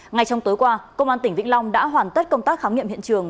ngay trong tối qua công an tỉnh vĩnh long đã hoàn tất công tác khám nghiệm hiện trường